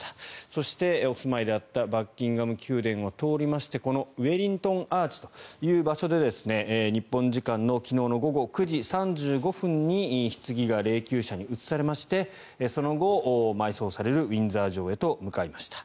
そして、お住まいであったバッキンガム宮殿を通りましてこのウェリントンアーチという場所で日本時間の昨日午後９時３５分にひつぎが霊きゅう車に移されましてその後埋葬されるウィンザー城へと向かいました。